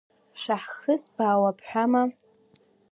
Шәаҳхызбаауа бҳәама?